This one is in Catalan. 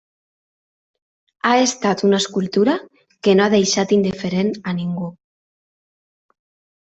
Ha estat una escultura que no ha deixat indiferent a ningú.